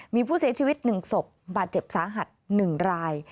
มีผู้เสียชีวิต๑ศพบาดเจ็บสาหัส๑ราย